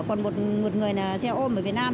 còn một người xe ôm ở việt nam